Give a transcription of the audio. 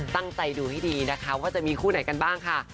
ตั้งใจดูให้ดีนะคะว่าจะมีคู่ไหนกันบ้างค่ะ